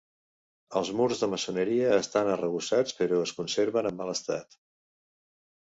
Els murs de maçoneria estan arrebossats però es conserven en mal estat.